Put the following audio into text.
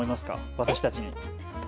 私たちに。